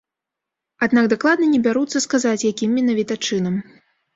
Аднак дакладна не бяруцца сказаць, якім менавіта чынам.